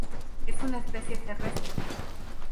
Es una especie terrestre.